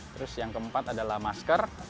terus yang keempat adalah masker